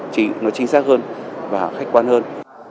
vì nó chính xác hơn và khách quan hơn